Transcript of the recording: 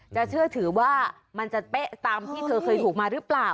เชื่อถือว่ามันจะเป๊ะตามที่เธอเคยถูกมาหรือเปล่า